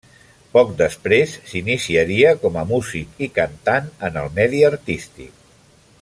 Poc després, s'iniciaria com a músic i cantant en el medi artístic.